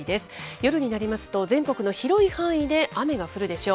夜になりますと、全国の広い範囲で雨が降るでしょう。